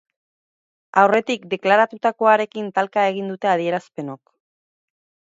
Aurretik deklaratutakoarekin talka egin dute adierazpenok.